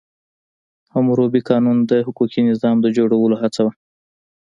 حموربي قانون د حقوقي نظام د جوړولو هڅه وه.